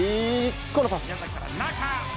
このパス。